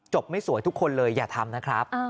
ไม่สวยทุกคนเลยอย่าทำนะครับ